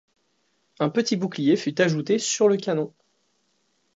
Un petit bouclier fut ajouté sur le canon.